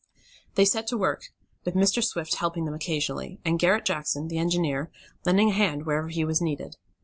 They set to work, with Mr. Swift helping them occasionally, and Garret Jackson, the engineer, lending a hand whenever he was needed.